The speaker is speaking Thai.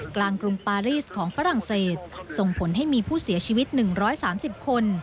กรุงปารีสของฝรั่งเศสส่งผลให้มีผู้เสียชีวิต๑๓๐คน